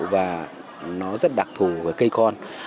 và nó rất đặc thù với cây con